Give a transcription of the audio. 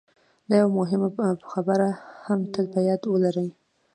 دا یوه مهمه خبره هم تل په یاد ولرئ